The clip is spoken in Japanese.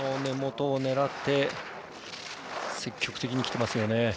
根元を狙って積極的に来ていますよね。